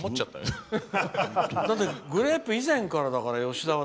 だって、グレープ以前からだから吉田は。